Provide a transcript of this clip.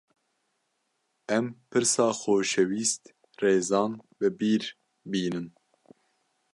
Em pirsa xoşewîst Rêzan bi bîr bînin